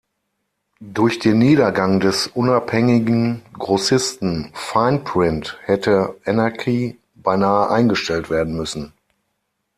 Durch den Niedergang des unabhängigen Grossisten "Fine Print" hätte "Anarchy" beinahe eingestellt werden müssen.